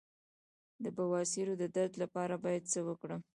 د بواسیر د درد لپاره باید څه وکړم؟